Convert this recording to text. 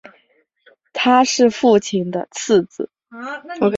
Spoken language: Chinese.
他是父亲的次子。